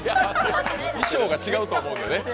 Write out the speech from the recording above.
衣装が違うと思うのね。